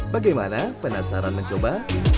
bagaimana penasaran mencoba